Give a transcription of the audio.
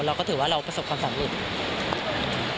เราก็ถือว่าเราประสบความสำหรับอื่น